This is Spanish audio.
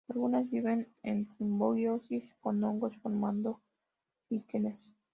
Algunas viven en simbiosis con hongos, formando líquenes.